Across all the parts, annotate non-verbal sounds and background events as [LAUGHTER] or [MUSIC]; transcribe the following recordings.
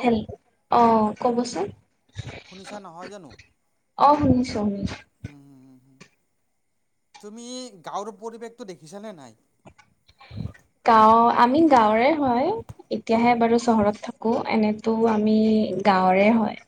Hello অ' ক'বচোন? শুনিছা, নহয় জানো? অ' শুনিছো শুনিছো। উম হ উম হ তুমি গাঁৱৰ পৰিৱেশটো দেখিছানে নাই? গাঁও আমি গাঁৱৰে হয়, এতিয়াহে বাৰু চহৰত থাকোঁ। এনেতো আমি গাঁৱৰে হয়।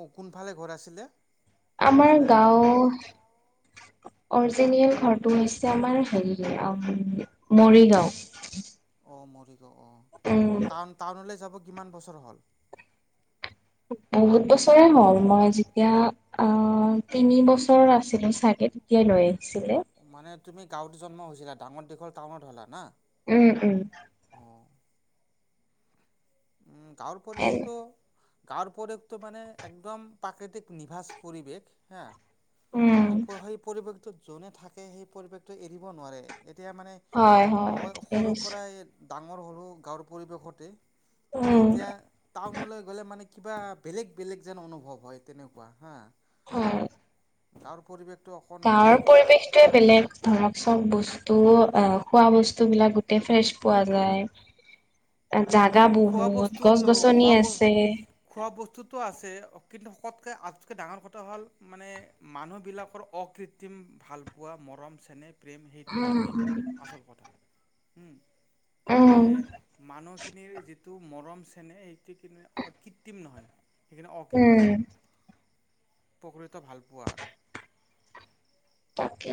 অ', কোনফালে ঘৰ আছিলে? আমাৰ অৰিজিনেল গাঁও ঘৰটো অৰজিনিয়েল ঘৰটো হৈছে আমাৰ হেৰি মৰিগাঁও। অ', মৰিগাওঁ অ'। উম টাউন-টাউনলেযাব কিমান বছৰ হ'ল? বহুত বছৰে হ'ল মই যেতিয়া অ', তিনি বছৰ আছিলোঁ চাগে তেতিয়া লৈ আহিছিলে। মানে তুমি গাঁৱতো জন্ম হৈছিলা, ডাঙৰ দেশৰ টাউনত হ'লা না। উম, উম। অঁ উম, গাঁৱৰ পৰিৱেশটো গাঁৱৰ পৰিৱেশটো মানে একদম প্ৰাকৃতিক নিভাঁজ পৰিৱেশ হা'। উম সেই, সেই পৰিৱেশটো যোনে থাকে, সেই পৰিৱেশটো এৰিব নোৱাৰে। এতিয়া মানে হয় হয় মই ঠিকে সৰুৰ কৈছে পৰাই ডাঙৰ হ'লোঁ, গাঁৱৰ পৰিৱেশতে মানে উম এতিয়া টাউনলৈ গ'লে মানে কিবা বেলেগ, বেলেগ যেন অনুভৱ হয়, তেনেকুৱা হা'। হয়। গাওঁৰ পৰিৱেশ গাঁৱৰ পৰিবেশটোয়ে বেলেগ ধৰক চব বস্তু অ', খোৱা ব স্তুবিলাক গোটেই ফ্ৰেছ পোৱা যায়, অ' খোৱা বস্তু লগ খোৱা আছে ব-খোৱা বস্তুতটো আছে কিন্তু তকৈ আটতকৈ ডাঙৰ কথা হ'ল মানে মানুহবিলাকৰ অকৃত্ৰিম ভালপোৱা মৰম চেনেহ। প্ৰেম সেইটোহে উম মেইন উম আচল কথা। মানে উম মানুহখিনিৰ মৰম চেনেহ সেইটো কি-কৃত্ৰিম নহয়, সেইখিনি উম অকৃত্ৰিম হয়। প্ৰকৃত ভালপোৱা আৰু। তাকে।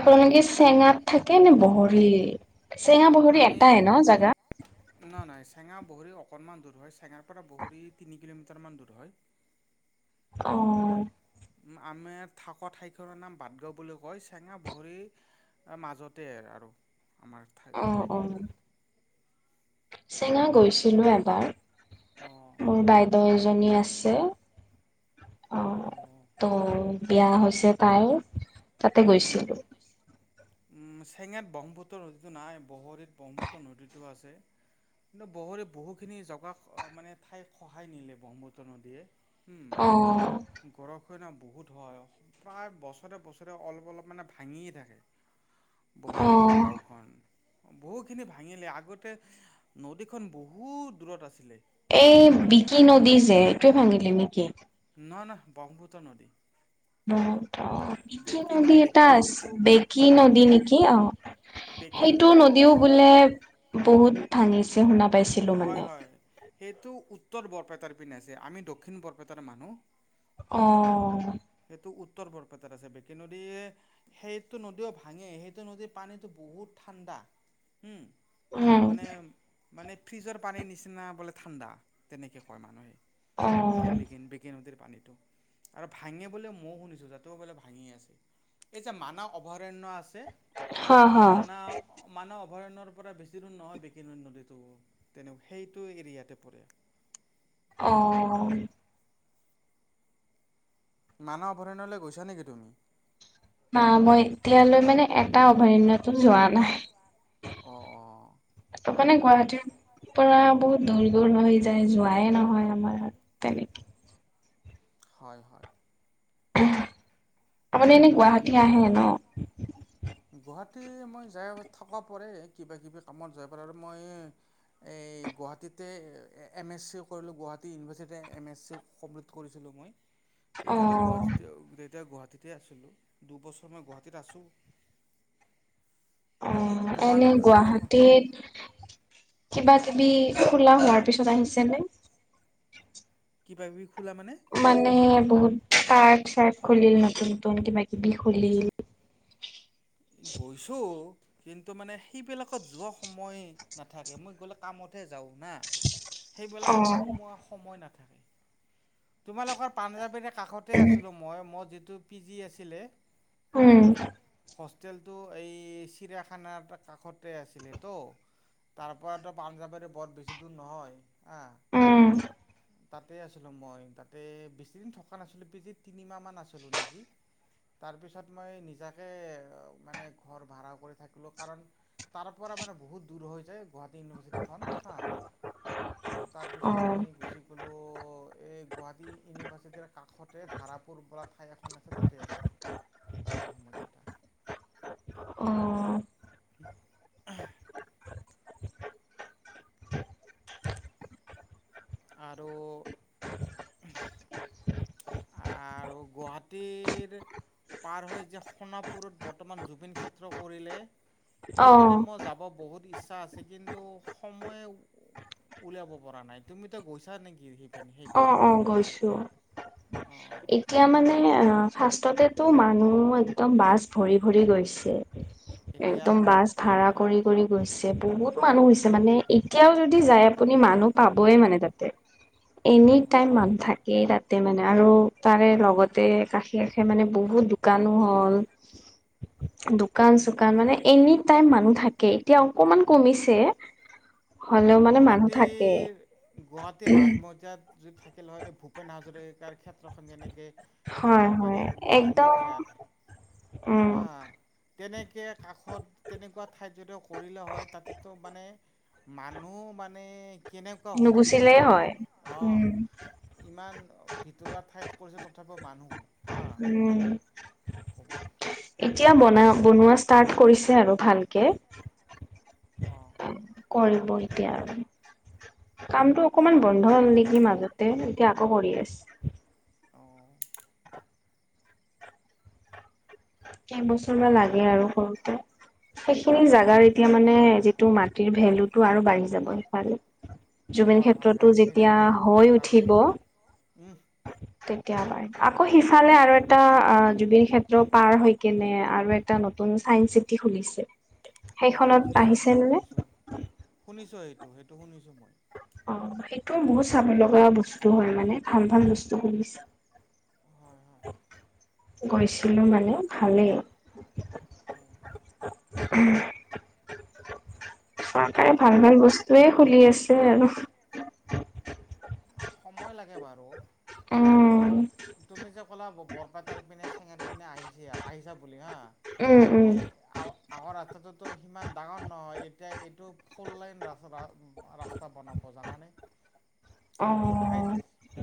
আপোনালোকে চেঙাত থাকেনে বহৰী? চেঙা [UNINTELLIGIBLE] এটাই ন জাগা? না-নাই চেঙা বহৰি অকণমান দূৰ হয়, চেঙাৰ পৰা বহৰী তিনি কিলোমিটাৰ মান দূৰ হয়। উম অ'। আমাৰ থকা ঠাইখনৰ নাম বাটগাঁও বুলি কয় চেঙা বহৰি এ, মাজতে আৰু আমাৰ। ঠাই অ', অ'। ঠাইখন চেঙা গৈছিলোঁ এবাৰ। উম মোৰ বাইদেউ এজনী আছে। অ', ত' বিয়া হৈছে তাইৰ। তাতে গৈছিলোঁ। উম চেঙাত ব্ৰহ্মপুত্ৰ নদীতটো নাই বগৰীত ব্ৰহ্মপুত্ৰ নদীতটো আছে। কিন্ত বহুৰে বহুখিনি জগা মানে ঠাই সহায় নিলে ব্ৰহ্মুত্ৰ নদীয়ে। অ'। ন বহুত হয় প্ৰায় বছৰে বছৰে অলপ অলপ মানে ভাঙিয়ে থাকে। বহৰী অ গাঁওখন বহুত খিনি ভাঙিলে, আগতে নদীখনন বহুত দূৰত আছিলে। এই উম বিকি নদী যে এইটোৱে ভাঙিলে নেকি? নহয়, নহয় ব্ৰহ্মপুত্ৰ নদী। বিকি বেকী ন নদী এটা বেকী আছে, নদীটো বেকী নদী নেকি অ'। বেকী সেইটো নদীটো নদীও অকণমান বোলে বহুত ভাঙিছে শুনা পাইছিলোঁ মানে। হয় হয় সেইটো উত্তৰ বৰপেটাৰ পিনে আছে, আমি দক্ষিণ বৰপেটাৰ মানুহ। অ'। সেইটো উত্তৰ বৰপেটাত আছে। বেকী নদীয়ে সেইটো নদীও ভাঙে, সেইটো নদীৰ পানীটো বহুত ঠাণ্ডা। উম, উম, মানে মানে ফ্ৰিজৰ পানীৰ নিচিনা বোলে ঠাণ্ডা তেনেকৈ কয় মানুহে। অ, বি বিক নদীৰ পানীত, আৰু ভাঙে ব ময় শুনিছো। লে ভাঙি আছে, এই যে হা, হা, মানৱ অ [INAUDIBLE] অভয়ণ্যৰ পৰা বেছি দূণ নহয় বিক নদীতটো তেনে সেইটো এৰিয়াতে পৰে। অ'। মানৱ অভয়াৰণ্যলৈ গৈছা নেকি তুমি? ন মই এতিয়ালৈ মানে এটা অভয়াৰণয়তো যোৱা নাই। অঁ অঁ তপানে গুৱাহাটীৰ পৰা বহুত দূৰ দূৰ ন হৈ যায় যোৱাই নহয় আমাৰ, তেনেকে। হয় হয়। আপুনি এনে গুৱাহাটী আহে ন? গুৱাহাটী মই যাই থকা পৰে কিবা কিবি কামত যাই পৰে আৰু মই এই গুৱাহাটীতে এম এছ চি কৰিলোঁ গুৱাহাটী ইউনিভাৰ্চিটতে এম এছ চি কমপ্লিট কৰিছিলোঁ মই। তেতিয়াতো অ', গুৱাহাটীতে তেতিয়া গুৱাহাটীতে আছিলো দুবছৰ মই গুৱাহাটীত আছো। অ' তোমাৰ এনে তোমাৰ গুৱাহাটীত কিবা কিবি খোলা হোৱাৰ পিছত আহিছেনে? কি পাবি? মানে বহুত ত চাৰট খুলিল নতুন নতুন কিবা বি খুলিল। গৈছো। কিন্তু মানে সেইবিলাকত যোৱা সময় নাথাকে মই গ'লে কামতহে যাওঁ না। সেইবিলাকত অ', সোমোৱা সময় নাথাকে, তোমালোকৰ পাঞ্জাবীৰে কাষতে আছিলোঁ মই মোৰ যিটো পি জি আছিলে। উম। হোষ্টেলটো এই চিৰায়াখানাৰ কাষতে আছিলে তো। তাৰ পৰাতো পাঞ্জাৱেৰে বৰ বেছি দূৰ নহয়। হা উম। তাতে আছিলোঁ মই তাতে বেছিদিন থকা নাছিলোঁ পিজি তিনিমাহমান আছিলোঁ নেকি। তাৰ পিছত মই নিজাকে মানে ঘৰ ভাড়া কৰি থাকিলো কাৰণ তাৰ পৰা মানে বহুত দূৰ হৈ যায়। গুৱাহাটী ইউনিভাৰ্চিটিখন হাঁ, তাৰপিছত অ', মই গুচি গ'লোঁ এই গুৱাহাটী ইউনিভাৰ্চিটিৰ কাষতে ধাৰাপুৰ বল ঠাই এখন আছে তাতে আছিলোঁ। [INAUDIBLE] অ', আহ। আৰু আৰু [UNINTELLIGIBLE] গুৱাহাটীৰ পাৰ হৈ যে সোণাপুৰত বৰ্তমান জুবিন ক্ষেত্ৰ কৰিলে সেইপিনে অ', মই যাব বহুত ইচ্ছা আছে, কিন্তু সময়েই উলিয়াব পৰা নাই। তুমিতো গৈছা নেকি? সেইপিনে সেইপিনে অ', অ, গৈছো। অঁ এতিয়া মানে অ' ফাৰ্ষ্টতে মানুহ একদম বাছ ভৰি ভৰি গৈছে। এতিয়া একদম বাছ ভাৰা কৰি কৰি গৈছে, বহুত মানুহ হৈছে মানে এতিয়াও যদি যায় আপুনি মানুহ পাবয়েই মানে তাতেই। এনি হয় হয় টাইম মানুহ থাকেই তাত। মানে আৰু তাৰে লগতে কাষে কাষে মানে বহুত দোকানো হল। [INAUDIBLE] দোকান চোকান মানে এনি টাইম মানুহ থাকে এতিয়া অকমান কমিছে। হ'লেও মানে মানুহ থাকে গুৱাহাটীৰ, গুৱাহাটীৰ মাজ মজিয়াত যদি থাকিলে হয়, এই ভূপেন হাজৰিকাৰ ক্ষেত্ৰখন যেনেকে হয় হয় জালুকবাৰীৰ একদম, মাজমজিয়াত উম। হা তেনেকে কাষত তেনেকুৱা ঠাইত যদি কৰিলে হয়, তাতেতো মানে মানুহ মানে কেনেকুৱা হৈ থাকিলে হয় মানে উম অহ ইমান ভিতৰুৱ ঠাইত কৰিছে তথাপিও মানুহ হা উম, কি ক'ব এতিয়া বনা বনোৱা ষ্টাৰ্ট কৰিছে আৰু। ভালকে, অ কৰিব এতিয়া আৰু। কামটো অকমান বন্ধ হ'ল নেকি মাজতে, এতিয়া আকৌ কৰি আছে। অ কেইবছৰমান লাগে আৰু কৰুতে। সেইখিনি জাগাৰ এতিয়া মানে যিটো মাটিৰ ভেলুতটো আৰু বাঢ়ি যাব সেইফালে, জুবিন হয় হয় ক্ষেত্ৰতো সেই সেই যেতিয়া জুবিন হৈ ক্ষেত্ৰটোৰ উঠিব কাৰণেই উম তেতিয়া বাঢ়িব। আকৌ সিফালে আৰু এটা জুবিন ক্ষেত্ৰ পাৰ হৈ কিনে আৰু এটা নতুন চাইন্স চিটি খুলিছে। অ', সেইখনত শুনিছো, মই আহিছেনে নে? শুনিছো, শুনিছো এইটো সেইটো শুনিছো মই। অ', সেইটোও বহুত চাব লগা বস্তু হয় মানে, ভাল ভাল বস্তু হয় হয় গৈছিলো মানে, ভালেই। উম। অঁ চৰকাৰে ভাল তাকে ভাল বস্তুয়েই খুলি আছে আৰু। সময় লাগে বাৰু। উম। তুমি যে ক'লা বৰপেটাৰ পিনে চেঙাৰ পিনে আহিছা আহিছা বুলি হা। উম উম সেই আ আগৰ ৰাস্তাটোতো সিমান ডাঙৰ নহয় এতিয়া এইটো ফৰ লাইন ৰা ৰাস্তা বনাব জানানে? অ বহুত ঠাইত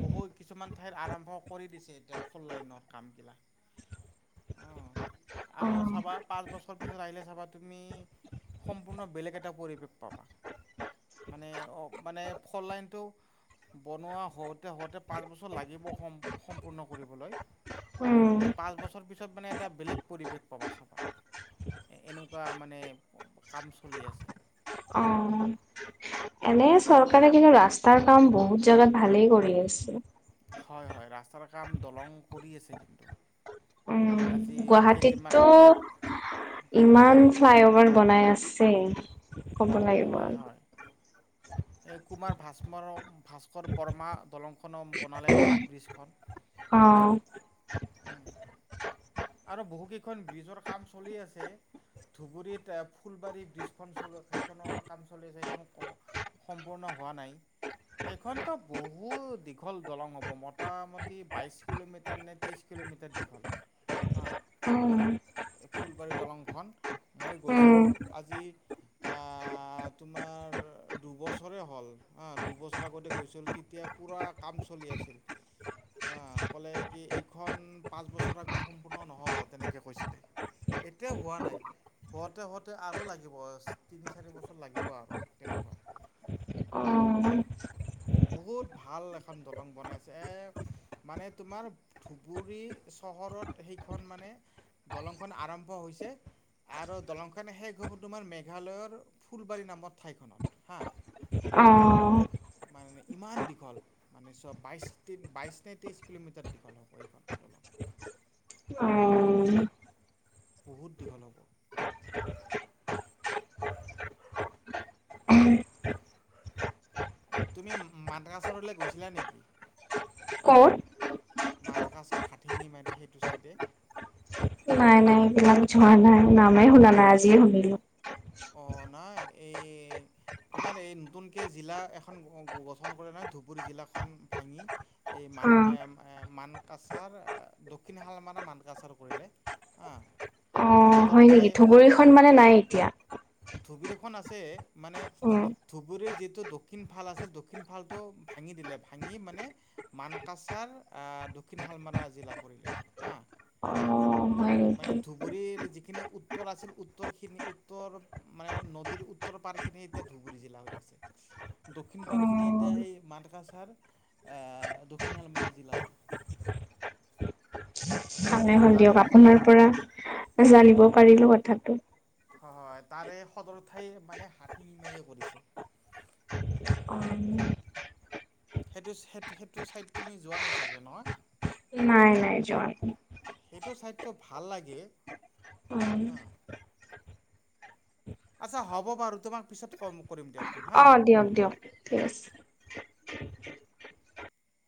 বহু কিছুমান ঢেৰ আৰম্ভ কৰি দিছে এতিয়া ফৰ লাইনৰ কামবিলাক। অহ অ আৰু চাবা পাঁচ বছৰ পিছত আহিলে চাবা তুমি সম্পূৰ্ণ বেলেগ এটা পৰিবেশ। [UNINTELLIGIBLE] মানে অহ, মানে ফৰ লাইনটো বনোৱা হওঁতে হওঁতে পাঁচ বছৰ লাগিব সম্পূৰ্ণ কৰিবলৈ। উম তে পাঁচ বছৰ পিছত মানে এটা বেলেগ পৰিৱেশ পাবা চাবা। এনেকুৱা মানে কাম চলি আছে। এনেই চৰকাৰে কিন্তু ৰাস্তাৰ কাম বহুত জেগাত ভালেই কৰি আছে। হয় হয়, ৰাস্তাৰ কাম দলং কৰি আছে কিন্তু। উম, আজি কেইদিনমান আগতে গুৱাহাটীতটো ইমান ফ্লাই অভাৰ বনাই আছে ক'ব লাগিব হয় আৰু। ভাস্মৰক। ভাস্কৰ বৰ্মা দলংখনো বনালে নহয় ব্ৰীজখন। অ', [INAUDIBLE] আৰু বহু কেইখন ব্ৰিজৰ কাম চলি আছে। ধুবুৰীত ফুলবাৰী ব্ৰিজখন চল সেইখনৰ কাম চলিছে সেইখন ক সম্পূৰ্ণ হোৱা নাই। সেইখনতো বহুত দীঘল দলং হ'ব মোটামুটি বাইশ কিলোমিটাৰ নে তেইশ কিলো মিটাৰ দীঘল উম এই ফুলবাৰী দলংখন, মই উম, গৈছিলোঁ আজি আহহ তোমাৰ দুবছৰে হ'ল হা, দুবছৰ আগতে গৈছিলো তেতিয়া পুৰা কাম চলি আছিল। আহ ক'লে কি এইখন পাঁচ বছৰ আগত সম্পূৰ্ণ নহব, তেনেকে কৈছিলে। এতিয়াও হোৱা নাই। হওতে হওতে আৰু লাগিব তিনি চাৰি বছৰ লাগিব আৰু তেনেকুৱা। অ' উম। বহুত ভাল এখন দলং বনাইছে এ, মানে তোমাৰ ধুবুৰী চহৰত সেইখন মানে, দলংখন আৰম্ভ হৈছে। আৰু দলংখন শেষ হ'ব তোমাৰ মেঘালয়ৰ ফুলবাৰী নামৰ ঠাইখনত হা। মানে অ'। মানে ইমান দীঘল, মানে চব বাইছ বাইছ নে তেইছ কিলোমিটাৰ দীঘল হ'ব এইখন দলং। অ'। বহুত দীঘল হ'ব। তুমি মানকাচৰলৈ গৈছিলা নেকি? কত? মানকাচাৰ হাঠিঙি মাৰি সেইটো চাইডে। নাই নাই এইবিলাক যোৱা নাই, নামেই শুনা নাই আজিয়ে শুনিলো। অ' নাই এই তোমাৰ এই নতুনকে জিলা এখন গ গঠন কৰে নহয় ধুবুৰী জিলাখন ভাঙি এই মান অ', হ হ মানকাচাৰ হ দক্ষিণ শালমাৰা মানকাচাৰ কৰিলে। আহ। অ', হয় নেকি ধুবুৰীখন মানে নাই এতিয়া? ধুবুৰীখন আছে মানে উম, ধুবুৰী যিটো দক্ষিণ ফাল আছিল দক্ষিণ ফালতটো ভাঙি দিলে ভাঙি মানে, মানকাচা তাৰ দক্ষিণ হালমাৰা জিলা কৰিলে হা। অ'। হয় মানে নেকি? ধুবুৰীৰ যিখিনি উত্তৰ আছিল উত্তৰখিনি উত্তৰ মানে নদীৰ উত্তৰ পাৰ খিনি এতিয়া ধুবুৰী, জিলা হৈ আছে দক্ষিণ পাৰ খিনি অ', এতিয়া সেই ম মানকাছাৰ, হ দক্ষিণ শালমাৰা জিলা হ'ল। [INAUDIBLE] হলে হ'ল তাৰে দিয়ক সদ আপোনাৰ পৰা, জানিব পাৰিলোঁ কথাটো। হয় হয় তাৰে সদৰ ঠাই মানে হাতি মেৰি কৰিছে। অ', সেইটো চেদ, সেইটো চাইট তুমি যোৱা নাই নহয়? নাই নাই যোৱা। সেইটো চাইটো ভাল লাগে। নাই আচ্ছা হ'ব বাৰু তোমাক পিছত ফোন কৰিম দিয়ক। অ' দিয়ক দিয়ক ঠিক আছে।